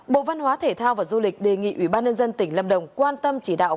bộ văn hóa thể thao và du lịch đề nghị ủy ban nhân dân tỉnh lâm đồng quan tâm chỉ đạo